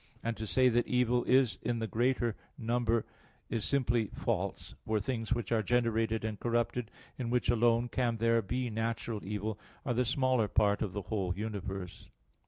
And to say that evil is in the greater number is simply false. For things which are generated and corrupted, in which alone can there be natural evil, are the smaller part of the whole universe.